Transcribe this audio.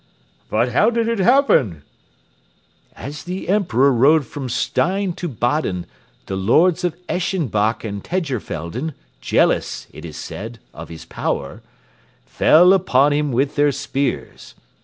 "But how did it happen?" "As the Emperor rode from Stein to Baden the lords of Eschenbach and Tegerfelden, jealous, it is said, of his power, fell upon him with their spears.